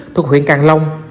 thuộc huyện càng long